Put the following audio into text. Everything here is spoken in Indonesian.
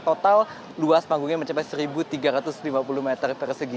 total luas panggungnya mencapai satu tiga ratus lima puluh meter persegi